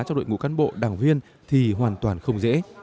cho đội ngũ cán bộ đảng viên thì hoàn toàn không dễ